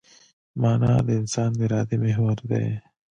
مانا د انسان د ارادې محور دی.